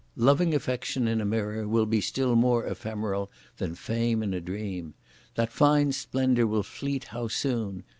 Loving affection in a mirror will be still more ephemeral than fame in a dream. That fine splendour will fleet how soon!